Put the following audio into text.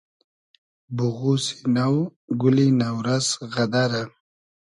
بوغوسی نۆ , گولی نۆ رئس غئدئرۂ